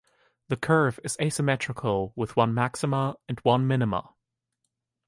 The curve is asymmetrical with one maxima and one minima.